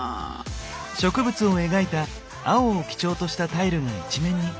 植物を描いた青を基調としたタイルが一面に。